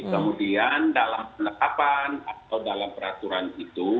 kemudian dalam penetapan atau dalam peraturan itu